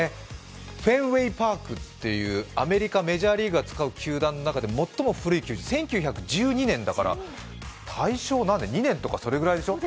フェンウェイ・パークっていうアメリカ・メジャーリーグが使う球団の中で最も古い球場、１９１２年だから大正２年とかそのぐらいでしょう？